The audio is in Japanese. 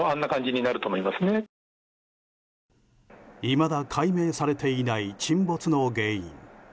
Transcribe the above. いまだ解明されていない沈没の原因。